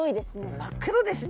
真っ黒ですね。